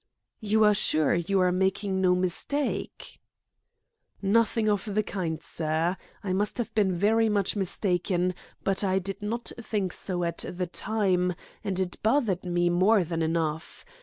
"You are sure you are making no mistake?" "Nothing of the kind, sir. I must have been very much mistaken, but I did not think so at the time, and it bothered me more than enough.